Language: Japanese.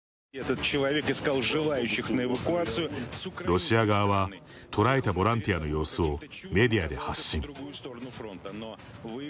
ロシア側は捕らえたボランティアの様子をメディアで発信。